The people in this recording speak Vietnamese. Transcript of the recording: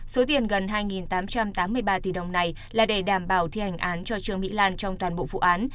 số tiền gần hai tám trăm tám mươi ba tỷ đồng này là để đảm bảo thi hành án cho trương mỹ lan trong toàn bộ vụ án